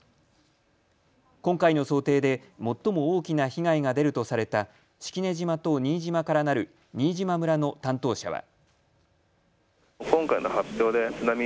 今回の想定で最も大きな被害が出るとされた式根島と新島からなる新島村の担当者は。